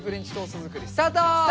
スタート！